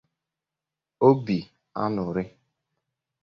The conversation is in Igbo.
Obi añụrị